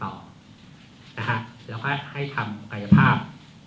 แล้วก็ให้ทำกายภาพ